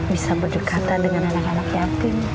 bisa berdua kata dengan anak anak yatim